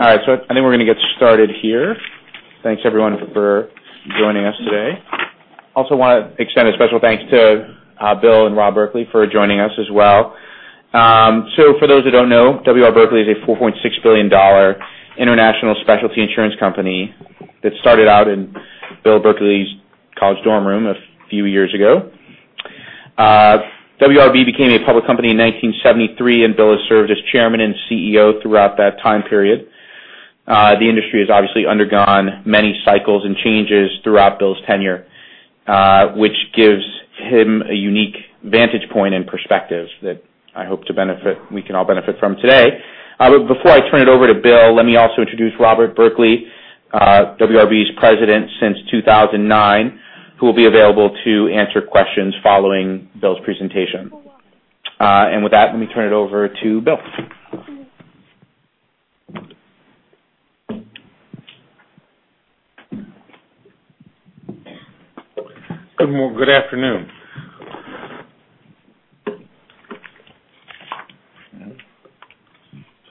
All right. I think we're going to get started here. Thanks everyone for joining us today. Also want to extend a special thanks to Bill and Rob Berkley for joining us as well. For those who don't know, W. R. Berkley is a $4.6 billion international specialty insurance company that started out in Bill Berkley's college dorm room a few years ago. WRB became a public company in 1973, and Bill has served as Chairman and CEO throughout that time period. The industry has obviously undergone many cycles and changes throughout Bill's tenure, which gives him a unique vantage point and perspective that I hope we can all benefit from today. Before I turn it over to Bill, let me also introduce Robert Berkley, WRB's President since 2009, who will be available to answer questions following Bill's presentation. With that, let me turn it over to Bill. Good morning. Good afternoon.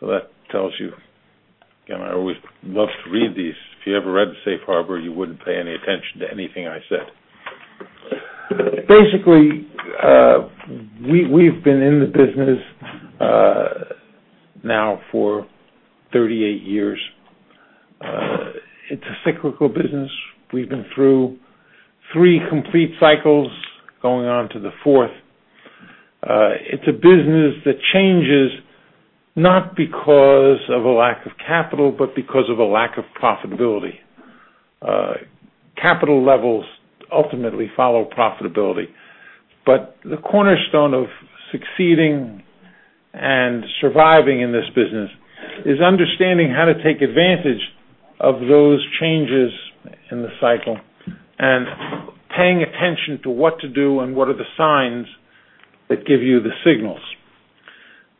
That tells you, again, I always love to read these. If you ever read the safe harbor, you wouldn't pay any attention to anything I said. Basically, we've been in the business now for 38 years. It's a cyclical business. We've been through three complete cycles, going on to the fourth. It's a business that changes not because of a lack of capital, but because of a lack of profitability. Capital levels ultimately follow profitability. The cornerstone of succeeding and surviving in this business is understanding how to take advantage of those changes in the cycle and paying attention to what to do and what are the signs that give you the signals.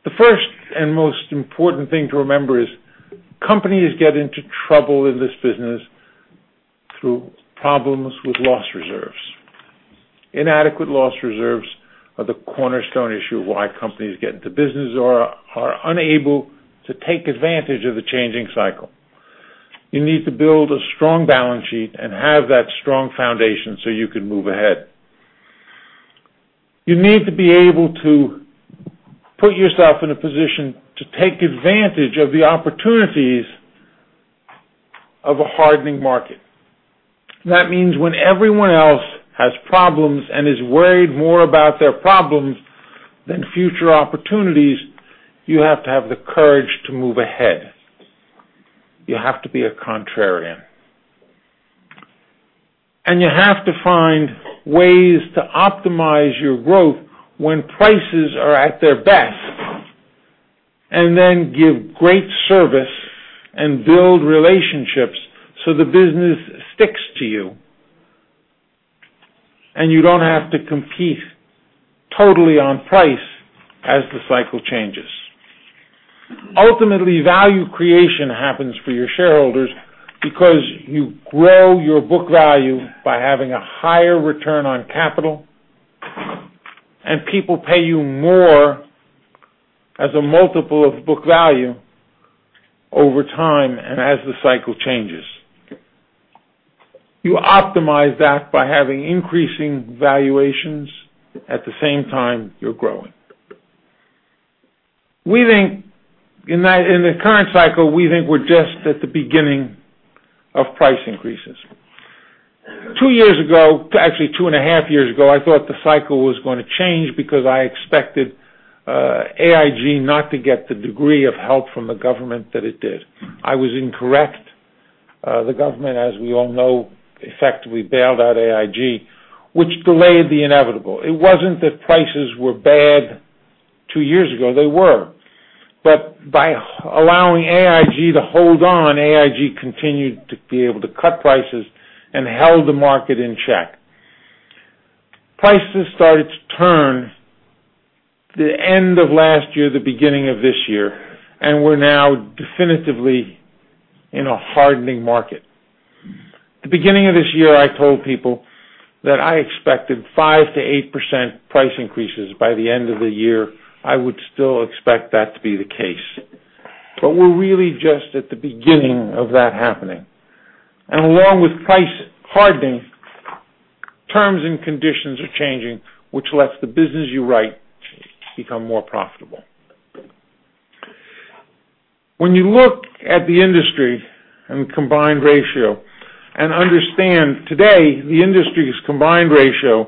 The first and most important thing to remember is companies get into trouble in this business through problems with loss reserves. Inadequate loss reserves are the cornerstone issue of why companies get into business or are unable to take advantage of the changing cycle. You need to build a strong balance sheet and have that strong foundation so you can move ahead. You need to be able to put yourself in a position to take advantage of the opportunities of a hardening market. That means when everyone else has problems and is worried more about their problems than future opportunities, you have to have the courage to move ahead. You have to be a contrarian. You have to find ways to optimize your growth when prices are at their best, and then give great service and build relationships so the business sticks to you, and you don't have to compete totally on price as the cycle changes. Ultimately, value creation happens for your shareholders because you grow your book value by having a higher return on capital, and people pay you more as a multiple of book value over time and as the cycle changes. You optimize that by having increasing valuations at the same time you're growing. In the current cycle, we think we're just at the beginning of price increases. Two years ago, actually two and a half years ago, I thought the cycle was going to change because I expected AIG not to get the degree of help from the government that it did. I was incorrect. The government, as we all know, effectively bailed out AIG, which delayed the inevitable. It wasn't that prices were bad two years ago. They were. By allowing AIG to hold on, AIG continued to be able to cut prices and held the market in check. Prices started to turn the end of last year, the beginning of this year, and we're now definitively in a hardening market. At the beginning of this year, I told people that I expected 5%-8% price increases by the end of the year. I would still expect that to be the case. We're really just at the beginning of that happening. Along with price hardening, terms and conditions are changing, which lets the business you write become more profitable. When you look at the industry and combined ratio and understand today, the industry's combined ratio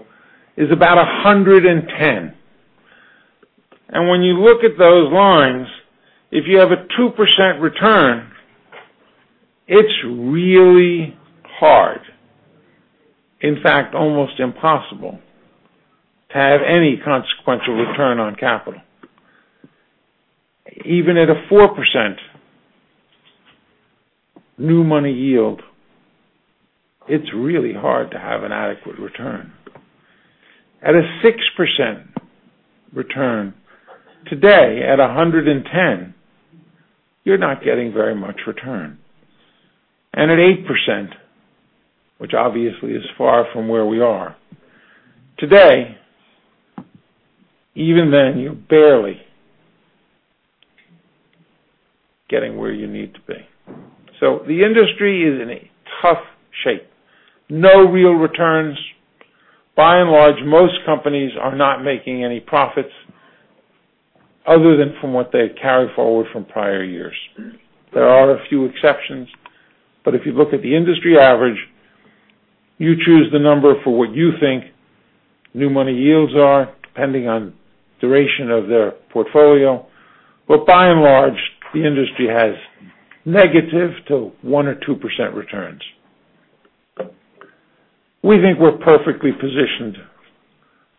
is about 110. When you look at those lines, if you have a 2% return, it's really hard, in fact, almost impossible, to have any consequential return on capital. Even at a 4% new money yield, it's really hard to have an adequate return. At a 6% return, today at 110, you're not getting very much return. At 8%, which obviously is far from where we are today. Even then, you're barely getting where you need to be. The industry is in a tough shape. No real returns. By and large, most companies are not making any profits other than from what they carry forward from prior years. There are a few exceptions, but if you look at the industry average, you choose the number for what you think new money yields are, depending on duration of their portfolio. By and large, the industry has negative to 1% or 2% returns. We think we're perfectly positioned.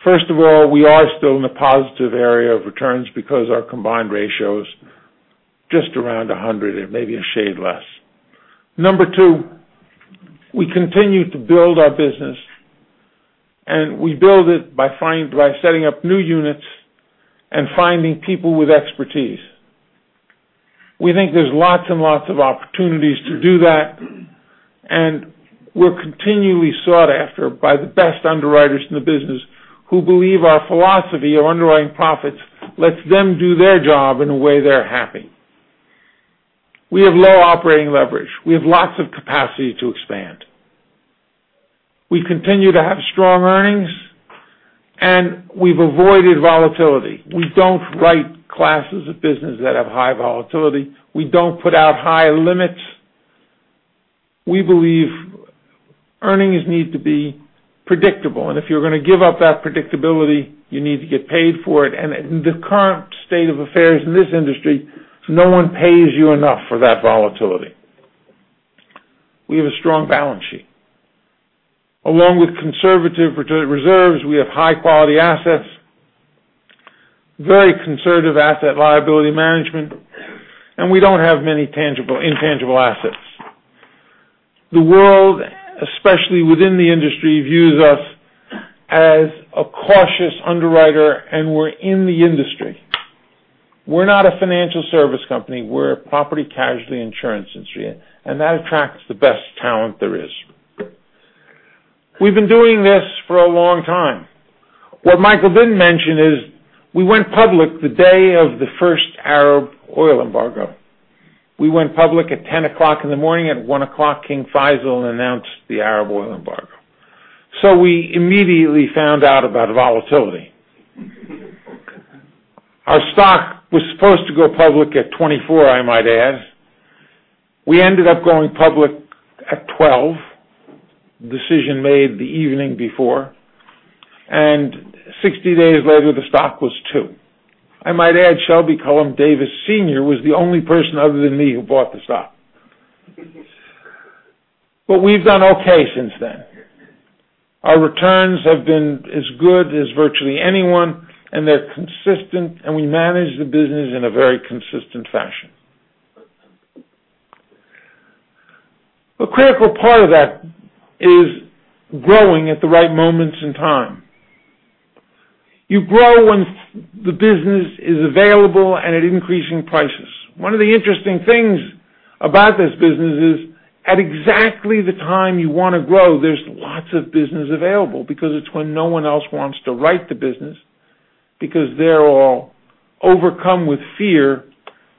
First of all, we are still in a positive area of returns because our combined ratio is just around 100, maybe a shade less. Number 2, we continue to build our business, and we build it by setting up new units and finding people with expertise. We think there's lots and lots of opportunities to do that, and we're continually sought after by the best underwriters in the business who believe our philosophy of underwriting profits lets them do their job in a way they're happy. We have low operating leverage. We have lots of capacity to expand. We continue to have strong earnings, and we've avoided volatility. We don't write classes of business that have high volatility. We don't put out high limits. We believe earnings need to be predictable, and if you're going to give up that predictability, you need to get paid for it. In the current state of affairs in this industry, no one pays you enough for that volatility. We have a strong balance sheet. Along with conservative reserves, we have high-quality assets, very conservative asset liability management, and we don't have many intangible assets. The world, especially within the industry, views us as a cautious underwriter, and we're in the industry. We're not a financial service company. We're a property casualty insurance industry, and that attracts the best talent there is. We've been doing this for a long time. What Michael didn't mention is we went public the day of the first Arab oil embargo. We went public at 10:00 A.M. in the morning. At 1:00 P.M., King Faisal announced the Arab oil embargo. We immediately found out about volatility. Our stock was supposed to go public at 24, I might add. We ended up going public at 12, decision made the evening before, and 60 days later, the stock was two. I might add, Shelby Cullom Davis Sr. was the only person other than me who bought the stock. We've done okay since then. Our returns have been as good as virtually anyone, and they're consistent, and we manage the business in a very consistent fashion. A critical part of that is growing at the right moments in time. You grow once the business is available and at increasing prices. One of the interesting things about this business is at exactly the time you want to grow, there's lots of business available because it's when no one else wants to write the business, because they're all overcome with fear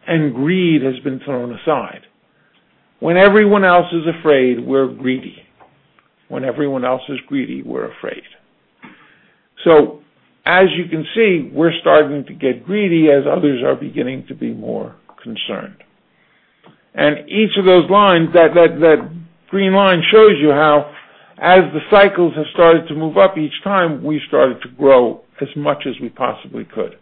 and greed has been thrown aside. When everyone else is afraid, we're greedy. When everyone else is greedy, we're afraid. As you can see, we're starting to get greedy as others are beginning to be more concerned. Each of those lines, that green line shows you how as the cycles have started to move up each time, we started to grow as much as we possibly could.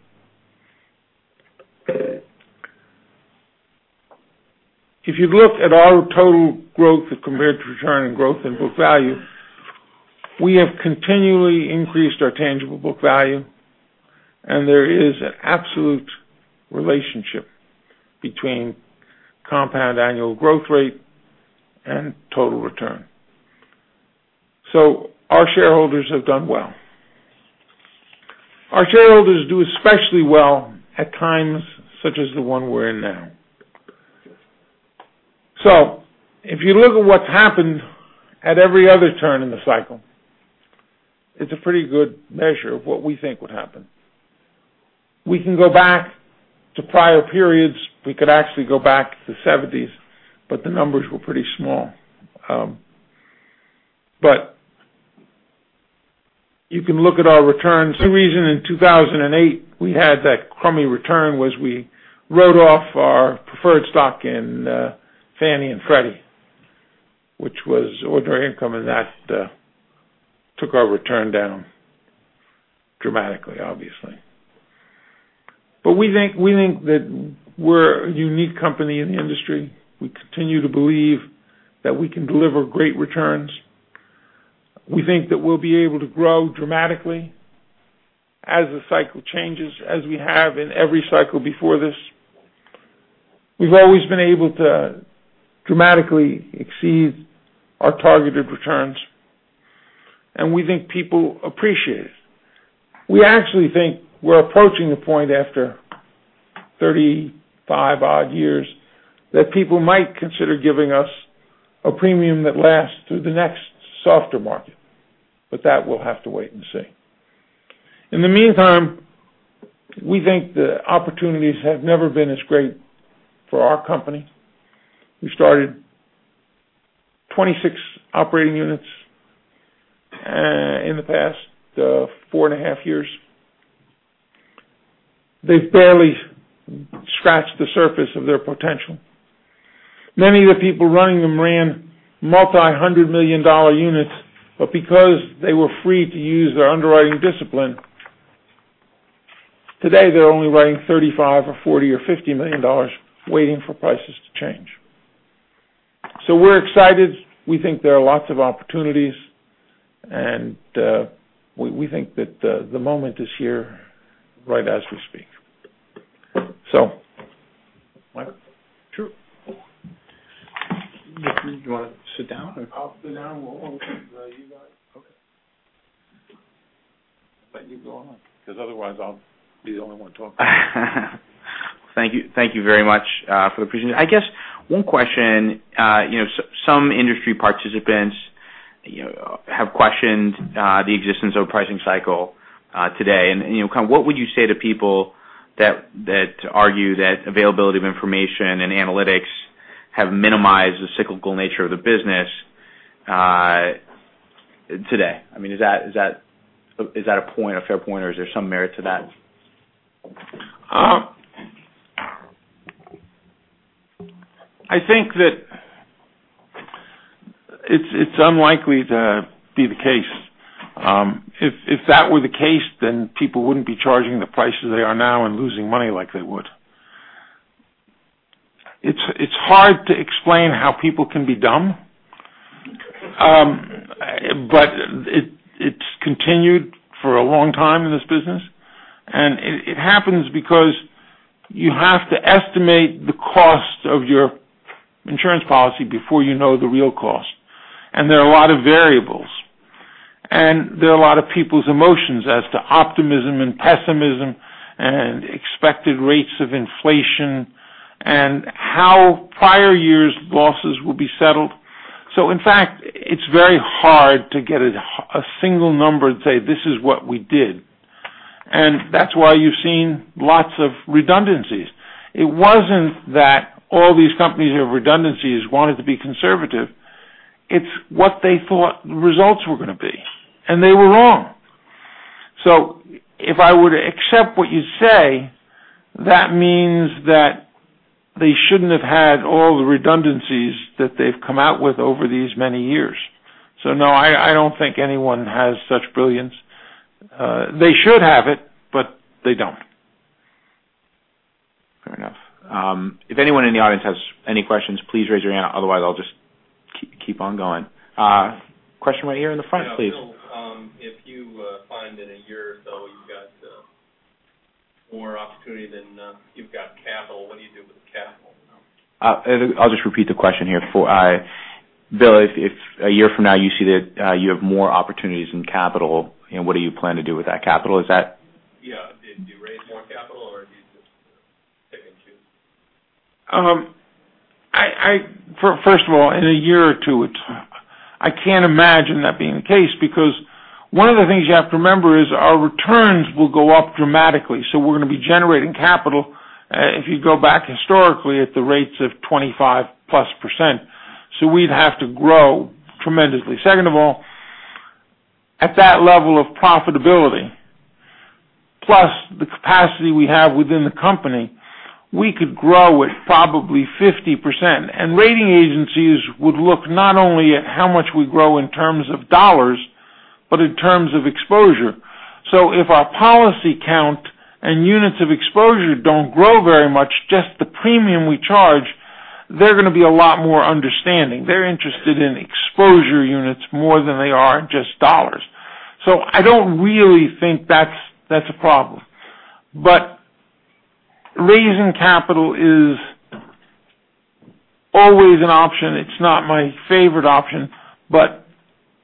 If you look at our total growth compared to return and growth in book value, we have continually increased our tangible book value, and there is an absolute relationship between compound annual growth rate and total return. Our shareholders have done well. Our shareholders do especially well at times such as the one we're in now. If you look at what's happened at every other turn in the cycle, it's a pretty good measure of what we think would happen. We can go back to prior periods. We could actually go back to the '70s, but the numbers were pretty small. You can look at our returns. The reason in 2008 we had that crummy return was we wrote off our preferred stock in Fannie and Freddie, which was ordinary income, and that took our return down dramatically, obviously. We think that we're a unique company in the industry. We continue to believe that we can deliver great returns. We think that we'll be able to grow dramatically as the cycle changes, as we have in every cycle before this. We've always been able to dramatically exceed our targeted returns, and we think people appreciate it. We actually think we're approaching the point after 35 odd years that people might consider giving us a premium that lasts through the next softer market. That we'll have to wait and see. In the meantime, we think the opportunities have never been as great for our company. We started 26 operating units in the past four and a half years. They've barely scratched the surface of their potential. Many of the people running them ran multi-hundred million dollar units, but because they were free to use their underwriting discipline, today they're only writing $35 million or $40 million or $50 million, waiting for prices to change. We're excited. We think there are lots of opportunities, and we think that the moment is here right as we speak. Mike? Sure. Do you want to sit down or? I'll sit down. Well, you go ahead. Okay. You go on, because otherwise I'll be the only one talking. Thank you very much for the presentation. I guess one question, some industry participants have questioned the existence of a pricing cycle today. What would you say to people that argue that availability of information and analytics have minimized the cyclical nature of the business today? I mean, is that a fair point, or is there some merit to that? I think that it's unlikely to be the case. If that were the case, people wouldn't be charging the prices they are now and losing money like they would. It's hard to explain how people can be dumb. It's continued for a long time in this business, and it happens because you have to estimate the cost of your insurance policy before you know the real cost. There are a lot of variables. There are a lot of people's emotions as to optimism and pessimism and expected rates of inflation and how prior years' losses will be settled. In fact, it's very hard to get a single number and say, "This is what we did." That's why you've seen lots of redundancies. It wasn't that all these companies who have redundancies wanted to be conservative. It's what they thought the results were going to be, and they were wrong. If I were to accept what you say, that means that they shouldn't have had all the redundancies that they've come out with over these many years. No, I don't think anyone has such brilliance. They should have it, but they don't. Fair enough. If anyone in the audience has any questions, please raise your hand. Otherwise, I'll just keep on going. Question right here in the front, please. Yeah. Bill, if you find in a year or so you've got more opportunity than you've got capital, what do you do with the capital? I'll just repeat the question here. Bill, if a year from now you see that you have more opportunities than capital, what do you plan to do with that capital? Yeah. Do you raise more capital or do you just pick and choose? First of all, in a year or two, I can't imagine that being the case because one of the things you have to remember is our returns will go up dramatically. We're going to be generating capital, if you go back historically, at the rates of 25-plus %. We'd have to grow tremendously. Second of all, at that level of profitability, plus the capacity we have within the company, we could grow at probably 50%. Rating agencies would look not only at how much we grow in terms of dollars, but in terms of exposure. If our policy count and units of exposure don't grow very much, just the premium we charge, they're going to be a lot more understanding. They're interested in exposure units more than they are just dollars. I don't really think that's a problem. Raising capital is always an option. It's not my favorite option, but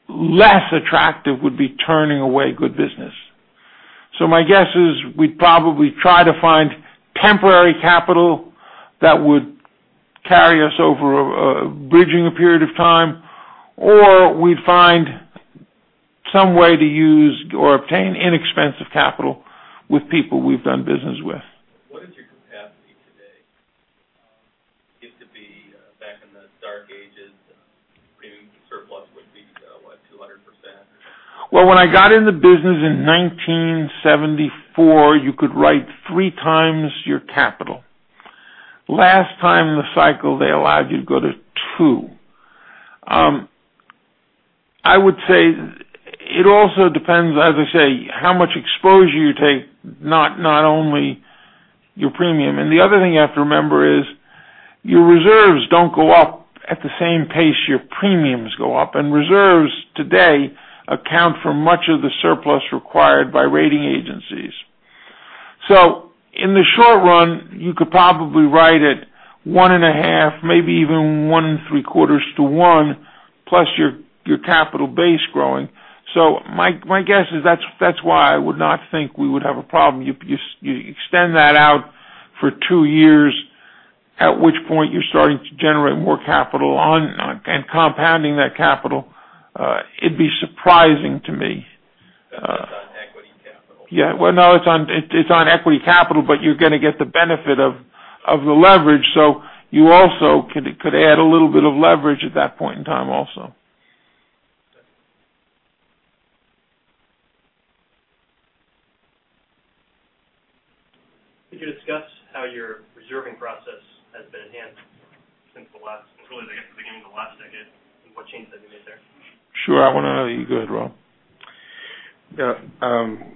less attractive would be turning away good business. My guess is we'd probably try to find temporary capital that would carry us over, bridging a period of time, or we'd find some way to use or obtain inexpensive capital with people we've done business with. What is your capacity today? It used to be, back in the dark ages, premium surplus would be what, 200%? When I got in the business in 1974, you could write three times your capital. Last time in the cycle, they allowed you to go to two. I would say it also depends, as I say, how much exposure you take, not only your premium. The other thing you have to remember is your reserves don't go up at the same pace your premiums go up, and reserves today account for much of the surplus required by rating agencies. In the short run, you could probably write at one and a half, maybe even one and three quarters to one Plus your capital base growing. My guess is that's why I would not think we would have a problem. You extend that out for two years, at which point you're starting to generate more capital on and compounding that capital. It'd be surprising to me. That's on equity capital. Yeah. Well, no, it's on equity capital, but you're going to get the benefit of the leverage, you also could add a little bit of leverage at that point in time also. Okay. Could you discuss how your reserving process has been enhanced since the last, really, I guess, the beginning of the last decade, and what changes have you made there? Sure. You go ahead, Rob. Yeah.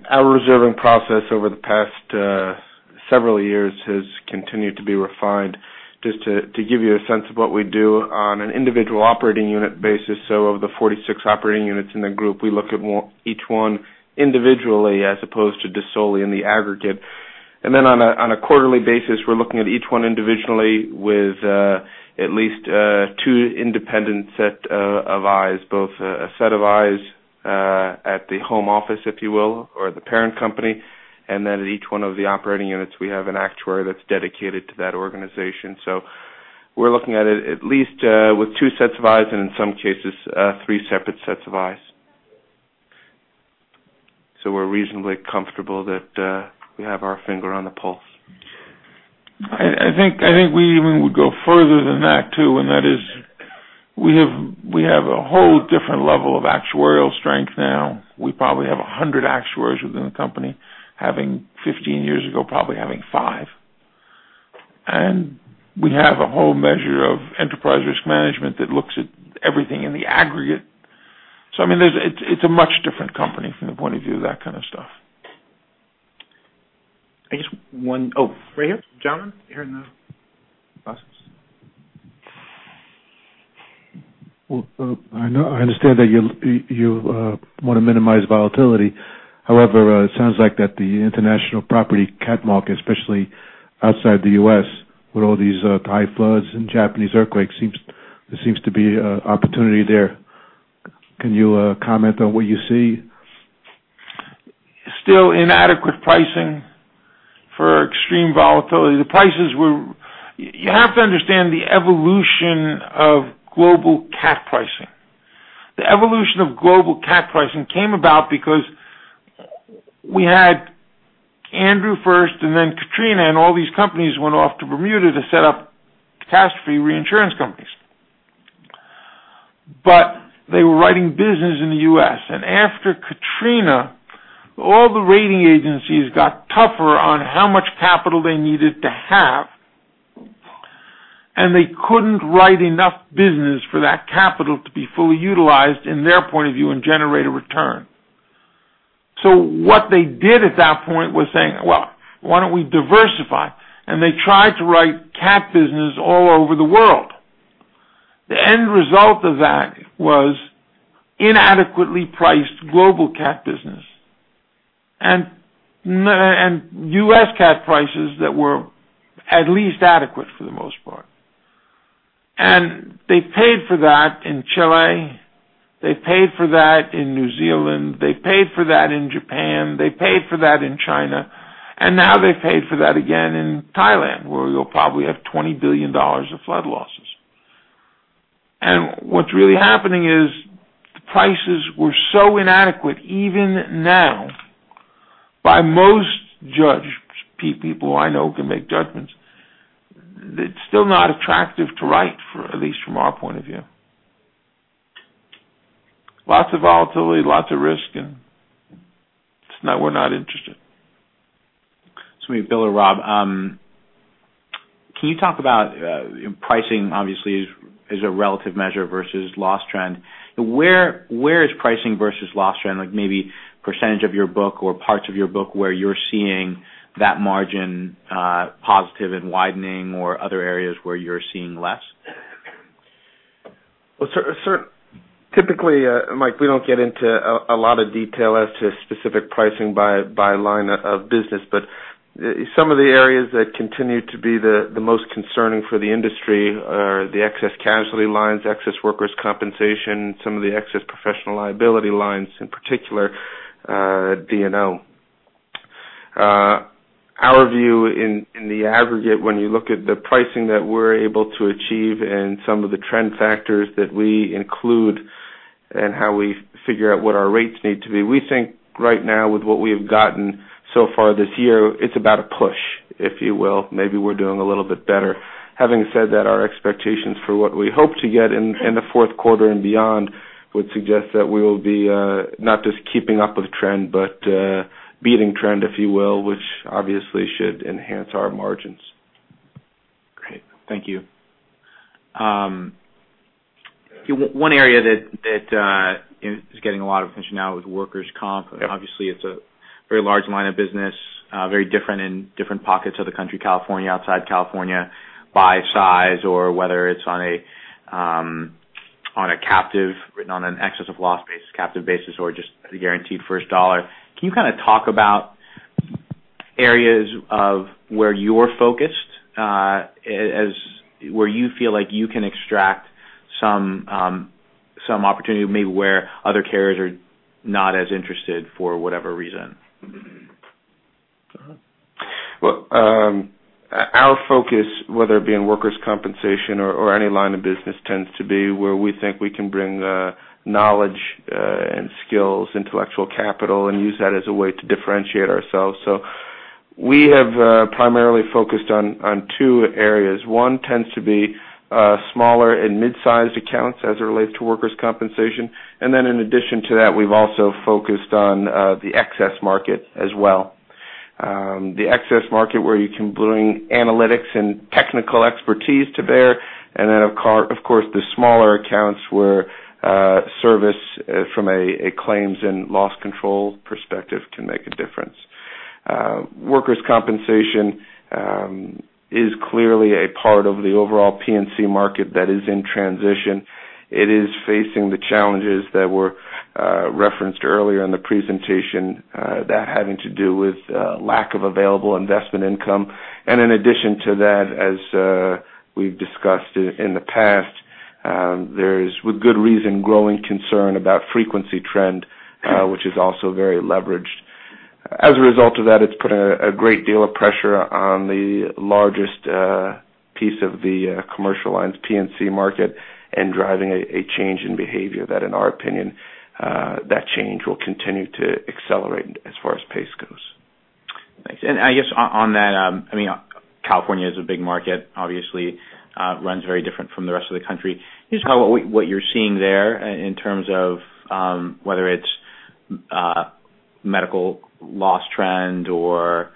Our reserving process over the past several years has continued to be refined. Just to give you a sense of what we do on an individual operating unit basis, so of the 46 operating units in the group, we look at each one individually as opposed to just solely in the aggregate. Then on a quarterly basis, we're looking at each one individually with at least two independent set of eyes, both a set of eyes at the home office, if you will, or the parent company, and then at each one of the operating units, we have an actuary that's dedicated to that organization. We're looking at it at least with two sets of eyes, and in some cases, three separate sets of eyes. We're reasonably comfortable that we have our finger on the pulse. I think we even would go further than that, too, and that is, we have a whole different level of actuarial strength now. We probably have 100 actuaries within the company, having 15 years ago, probably having five. We have a whole measure of enterprise risk management that looks at everything in the aggregate. I mean, it's a much different company from the point of view of that kind of stuff. I guess right here. John, here in the process. Well, I understand that you want to minimize volatility. It sounds like that the international property cat market, especially outside the U.S. with all these Thai floods and Japanese earthquakes, there seems to be opportunity there. Can you comment on what you see? Still inadequate pricing for extreme volatility. You have to understand the evolution of global cat pricing. The evolution of global cat pricing came about because we had Andrew first and then Katrina, and all these companies went off to Bermuda to set up catastrophe reinsurance companies. They were writing business in the U.S., and after Katrina, all the rating agencies got tougher on how much capital they needed to have, and they couldn't write enough business for that capital to be fully utilized in their point of view and generate a return. What they did at that point was saying, "Well, why don't we diversify?" They tried to write cat business all over the world. The end result of that was inadequately priced global cat business and U.S. cat prices that were at least adequate for the most part. They paid for that in Chile, they paid for that in New Zealand, they paid for that in Japan, they paid for that in China, now they paid for that again in Thailand, where you'll probably have $20 billion of flood losses. What's really happening is the prices were so inadequate, even now, by most judge people I know who can make judgments, it's still not attractive to write, at least from our point of view. Lots of volatility, lots of risk, we're not interested. maybe Bill or Rob, can you talk about, pricing obviously is a relative measure versus loss trend. Where is pricing versus loss trend, like maybe % of your book or parts of your book where you're seeing that margin positive and widening or other areas where you're seeing less? Typically, Mike, we don't get into a lot of detail as to specific pricing by line of business, but some of the areas that continue to be the most concerning for the industry are the excess casualty lines, excess workers' compensation, some of the excess professional liability lines, in particular, D&O. Our view in the aggregate, when you look at the pricing that we're able to achieve and some of the trend factors that we include and how we figure out what our rates need to be, we think right now with what we have gotten so far this year, it's about a push, if you will. Maybe we're doing a little bit better. Having said that, our expectations for what we hope to get in the fourth quarter and beyond would suggest that we will be not just keeping up with trend, but beating trend, if you will, which obviously should enhance our margins. Great. Thank you. One area that is getting a lot of attention now is workers' comp. Yep. Obviously, it's a very large line of business, very different in different pockets of the country, California, outside California, by size or whether it's on a captive, written on an excess of loss base, captive basis, or just a guaranteed first dollar. Can you kind of talk about areas of where you're focused, where you feel like you can extract some opportunity maybe where other carriers are not as interested for whatever reason. Well, our focus, whether it be in workers' compensation or any line of business, tends to be where we think we can bring knowledge and skills, intellectual capital, and use that as a way to differentiate ourselves. We have primarily focused on two areas. One tends to be smaller and mid-sized accounts as it relates to workers' compensation. In addition to that, we've also focused on the excess market as well. The excess market, where you can bring analytics and technical expertise to bear. Of course, the smaller accounts, where service from a claims and loss control perspective can make a difference. Workers' compensation is clearly a part of the overall P&C market that is in transition. It is facing the challenges that were referenced earlier in the presentation, that having to do with lack of available investment income. In addition to that, as we've discussed in the past, there is, with good reason, growing concern about frequency trend, which is also very leveraged. As a result of that, it's put a great deal of pressure on the largest piece of the commercial lines P&C market and driving a change in behavior that in our opinion, that change will continue to accelerate as far as pace goes. Thanks. I guess on that, California is a big market, obviously, runs very different from the rest of the country. Just kind of what you're seeing there in terms of whether it's medical loss trend or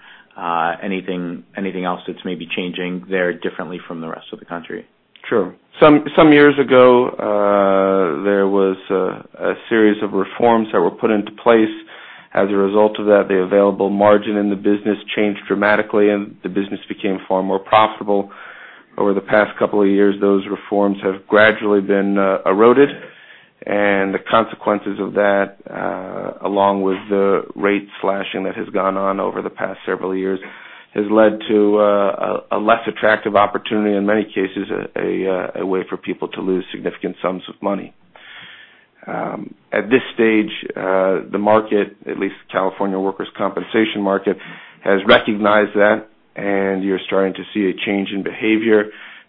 anything else that's maybe changing there differently from the rest of the country. True. Some years ago, there was a series of reforms that were put into place. As a result of that, the available margin in the business changed dramatically, and the business became far more profitable. Over the past couple of years, those reforms have gradually been eroded, and the consequences of that, along with the rate slashing that has gone on over the past several years, has led to a less attractive opportunity. In many cases, a way for people to lose significant sums of money. At this stage, the market, at least the California workers' compensation market, has recognized that, and you're starting to see a change in behavior.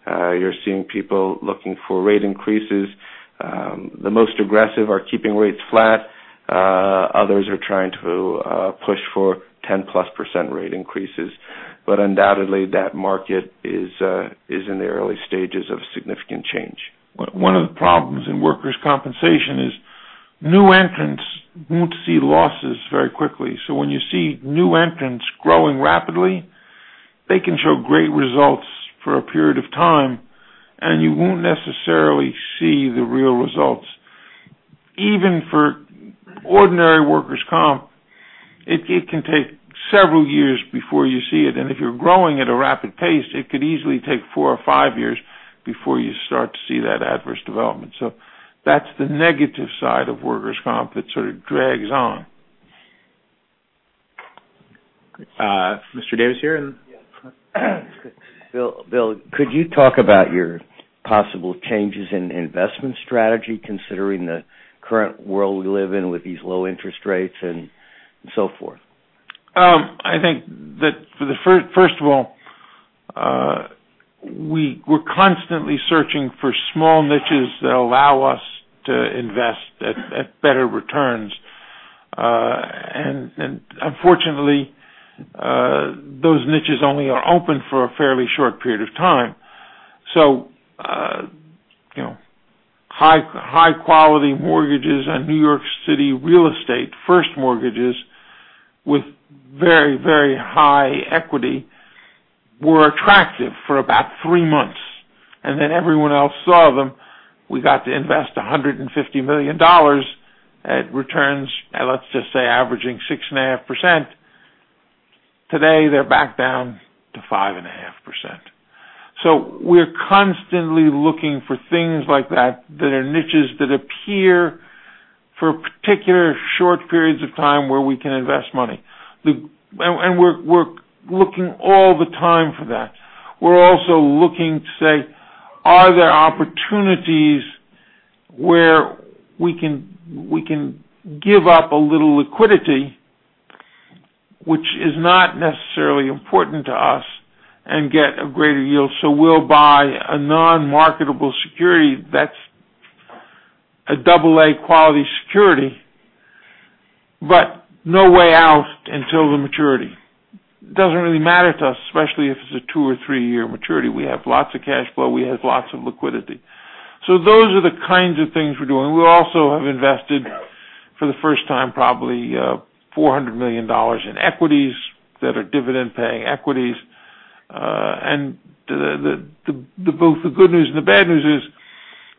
You're seeing people looking for rate increases. The most aggressive are keeping rates flat. Others are trying to push for 10-plus% rate increases. Undoubtedly, that market is in the early stages of significant change. One of the problems in workers' compensation is new entrants won't see losses very quickly. When you see new entrants growing rapidly, they can show great results for a period of time, and you won't necessarily see the real results. Even for ordinary workers' comp, it can take several years before you see it, and if you're growing at a rapid pace, it could easily take four or five years before you start to see that adverse development. That's the negative side of workers' comp that sort of drags on. Mr. Davis here in- Yes. Bill, could you talk about your possible changes in investment strategy considering the current world we live in with these low interest rates and so forth? I think that, first of all, we're constantly searching for small niches that allow us to invest at better returns. Unfortunately, those niches only are open for a fairly short period of time. High quality mortgages and New York City real estate first mortgages with very high equity were attractive for about three months, and then everyone else saw them. We got to invest $150 million at returns, let's just say, averaging 6.5%. Today, they're back down to 5.5%. We're constantly looking for things like that are niches that appear for particular short periods of time where we can invest money. We're looking all the time for that. We're also looking to say, are there opportunities where we can give up a little liquidity, which is not necessarily important to us, and get a greater yield? We'll buy a non-marketable security that's a double-A quality security, but no way out until the maturity. Doesn't really matter to us, especially if it's a two or three-year maturity. We have lots of cash flow. We have lots of liquidity. Those are the kinds of things we're doing. We also have invested, for the first time probably, $400 million in equities that are dividend-paying equities. Both the good news and the bad news is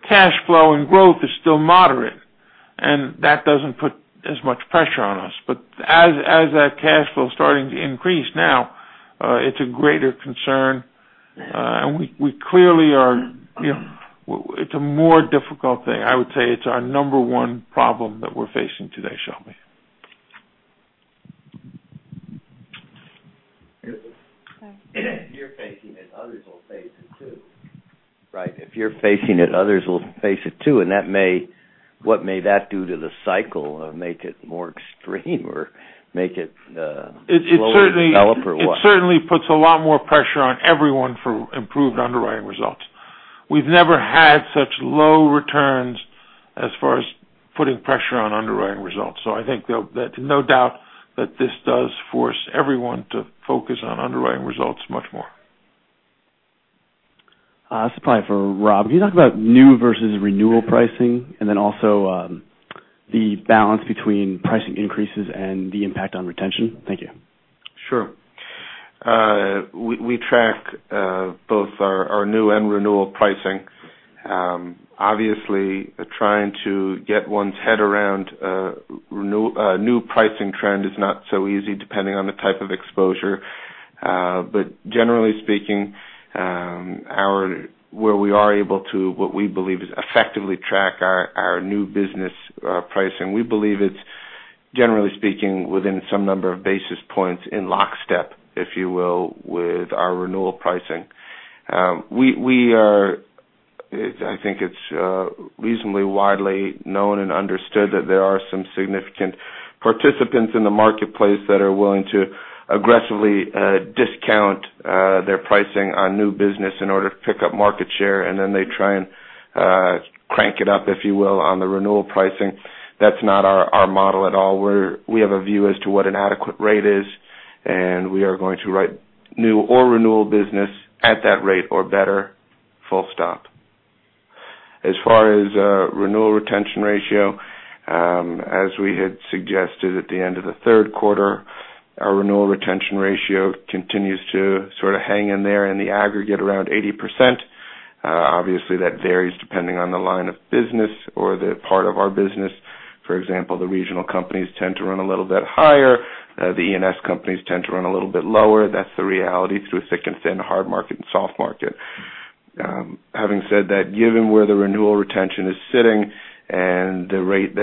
cash flow and growth is still moderate, and that doesn't put as much pressure on us. As that cash flow is starting to increase now. It's a greater concern. It's a more difficult thing. I would say it's our number one problem that we're facing today, Shelby. If you're facing it, others will face it too. Right? If you're facing it, others will face it too. What may that do to the cycle or make it more extreme or make it slower to develop or what? It certainly puts a lot more pressure on everyone for improved underwriting results. We've never had such low returns as far as putting pressure on underwriting results. I think that no doubt that this does force everyone to focus on underwriting results much more. This is probably for Rob. Can you talk about new versus renewal pricing and then also the balance between pricing increases and the impact on retention? Thank you. Sure. We track both our new and renewal pricing. Obviously, trying to get one's head around a new pricing trend is not so easy depending on the type of exposure. Generally speaking, where we are able to, what we believe is effectively track our new business pricing. We believe it's, generally speaking, within some number of basis points in lockstep, if you will, with our renewal pricing. I think it's reasonably widely known and understood that there are some significant participants in the marketplace that are willing to aggressively discount their pricing on new business in order to pick up market share, then they try and crank it up, if you will, on the renewal pricing. That's not our model at all. We have a view as to what an adequate rate is, we are going to write new or renewal business at that rate or better, full stop. As far as renewal retention ratio, as we had suggested at the end of the third quarter, our renewal retention ratio continues to sort of hang in there in the aggregate around 80%. Obviously, that varies depending on the line of business or the part of our business. For example, the regional companies tend to run a little bit higher. The E&S companies tend to run a little bit lower. That's the reality through a thick and thin, hard market and soft market. Having said that, given where the renewal retention is sitting and the rate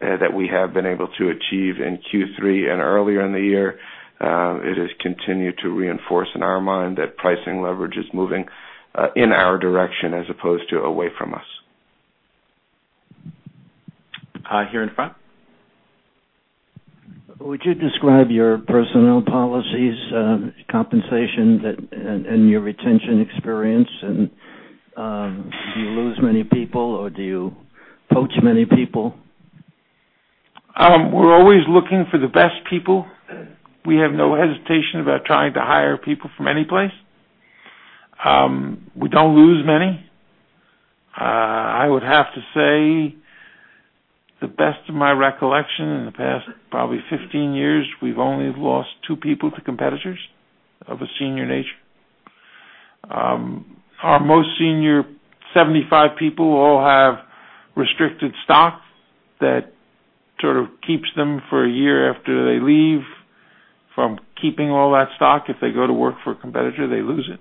that we have been able to achieve in Q3 and earlier in the year, it has continued to reinforce in our mind that pricing leverage is moving in our direction as opposed to away from us. Here in front. Would you describe your personnel policies, compensation, and your retention experience, and do you lose many people or do you poach many people? We're always looking for the best people. We have no hesitation about trying to hire people from any place. We don't lose many. I would have to say, the best of my recollection in the past probably 15 years, we've only lost two people to competitors of a senior nature. Our most senior 75 people all have restricted stock that sort of keeps them for a year after they leave from keeping all that stock. If they go to work for a competitor, they lose it.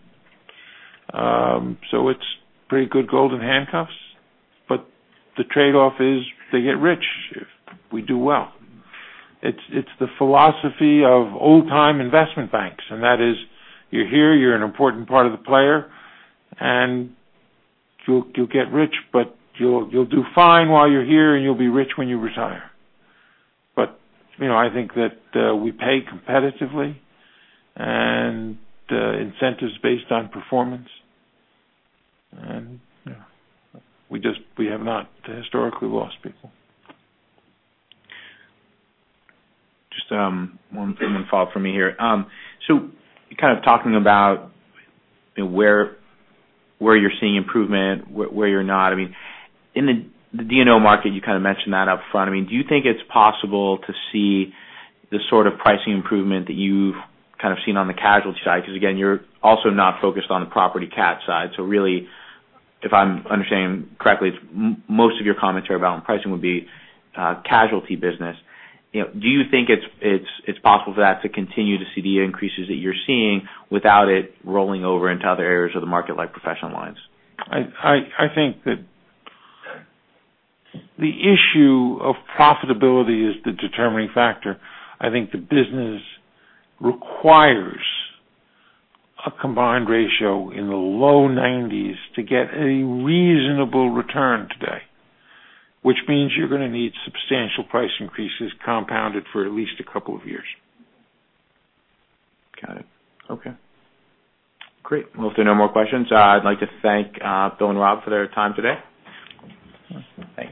It's pretty good golden handcuffs, but the trade-off is they get rich if we do well. It's the philosophy of old-time investment banks, and that is, you're here, you're an important part of the player, and you'll get rich, but you'll do fine while you're here and you'll be rich when you retire. I think that we pay competitively and incentives based on performance. We have not historically lost people. Just one follow-up from me here. Kind of talking about where you're seeing improvement, where you're not. In the D&O market, you kind of mentioned that up front. Do you think it's possible to see the sort of pricing improvement that you've kind of seen on the casualty side? Again, you're also not focused on the property cat side. Really, if I'm understanding correctly, most of your comments are about pricing would be casualty business. Do you think it's possible for that to continue to see the increases that you're seeing without it rolling over into other areas of the market like professional lines? I think that the issue of profitability is the determining factor. I think the business requires a combined ratio in the low 90s to get a reasonable return today, which means you're going to need substantial price increases compounded for at least a couple of years. Got it. Okay. Great. If there are no more questions, I'd like to thank Bill and Rob for their time today. Awesome. Thanks.